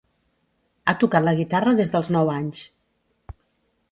Ha tocat la guitarra des dels nou anys.